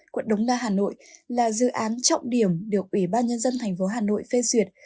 quận đống đa hà nội là dự án trọng điểm được ủy ban nhân dân thành phố hà nội phê duyệt